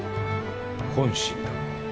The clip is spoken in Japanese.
本心だ。